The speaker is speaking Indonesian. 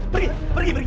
pergi pergi pergi